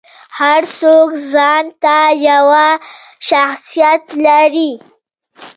هر څوک ځانته یو شخصیت لري.